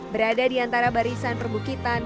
berada di antara barisan perbukitan